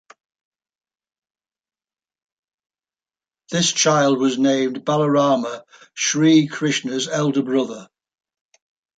This child was named Balarama, Shri Krishna's elder brother.